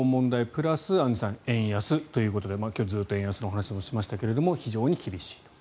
プラスアンジュさん、円安ということで今日はずっと円安のお話をしましたが非常に厳しいと。